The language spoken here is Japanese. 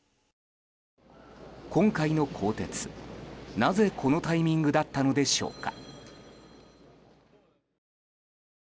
今回の更迭なぜこのタイミングだったのでしょうか。